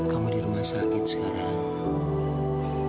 kamu di rumah sakit sekarang